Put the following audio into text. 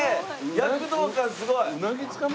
躍動感すごい。